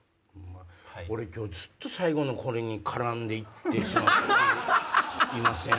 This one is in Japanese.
俺今日ずっと最後のこれに絡んで行ってしまっていません？